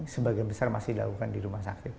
sebagian besar masih dilakukan di rumah sakit